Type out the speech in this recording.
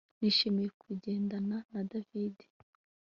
Nishimiye kugendana na David